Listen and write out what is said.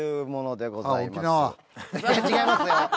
違いますよ。